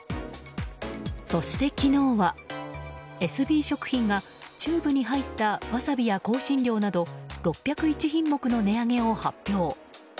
そして、昨日はエスビー食品がチューブに入ったワサビや香辛料など６０１品目の値上げを発表。